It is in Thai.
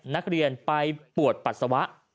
นักเรียนไปปวดปัสสาวะ